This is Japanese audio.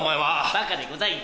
バカでございます。